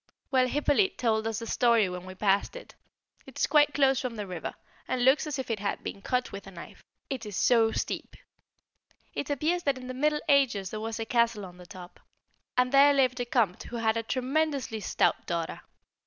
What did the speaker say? Well, Hippolyte told us the story when we passed it. It is quite close from the river, and looks as if it had been cut with a knife, it is so steep. It appears that in the Middle Ages there was a castle on the top, and there lived a Comte who had a tremendously stout daughter.